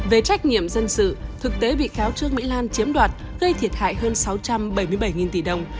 về trách nhiệm dân sự thực tế bị cáo trương mỹ lan chiếm đoạt gây thiệt hại hơn sáu trăm bảy mươi bảy tỷ đồng